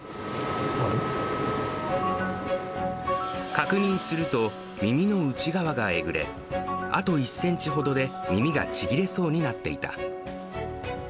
確認すると、耳の内側がえぐれ、あと１センチほどで耳がちぎれそうになっていた。